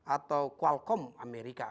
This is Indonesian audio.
atau qualcomm amerika